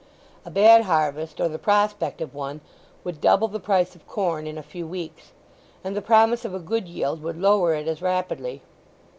A bad harvest, or the prospect of one, would double the price of corn in a few weeks; and the promise of a good yield would lower it as rapidly.